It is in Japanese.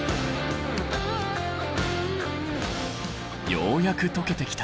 ようやくとけてきた。